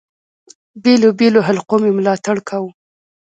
بېلو بېلو حلقو مي ملاتړ کاوه.